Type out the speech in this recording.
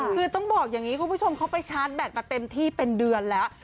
คือต้องบอกอย่างนี้คุณผู้ชมเขาไปชาร์จแบตมาเต็มที่เป็นเดือนแล้ว